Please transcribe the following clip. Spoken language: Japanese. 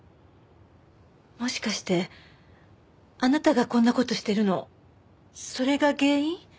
もしかしてあなたがこんな事してるのそれが原因？